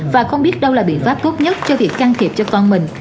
và không biết đâu là biện pháp tốt nhất cho việc can thiệp cho con mình